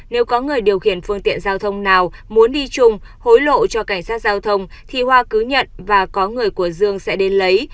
nếu có người điều khiển phương tiện giao thông nào muốn đi chung hối lộ cho cảnh sát giao thông thì hoa cứ nhận và có người của dương sẽ đến lấy